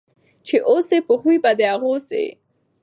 چي اوسې په خوی به د هغو سې